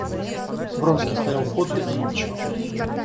Вронский стоял подле и молчал.